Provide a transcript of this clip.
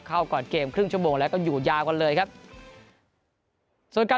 ก่อนเกมครึ่งชั่วโมงแล้วก็อยู่ยาวกันเลยครับส่วนการ